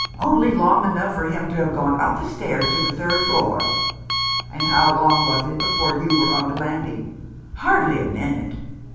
Only long enough for him to have gone up the stairs to the third floor." "And how long was it before you were on the landing ?"" Hardly a minute.